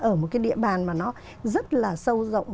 ở một cái địa bàn mà nó rất là sâu rộng